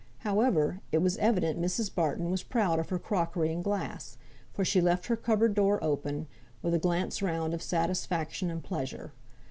However, it was evident Mrs. Barton was proud of her crockery and glass, for she left her cupboard door open, with a glance round of satisfaction and pleasure.